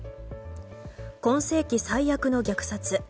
今世紀最悪の虐殺。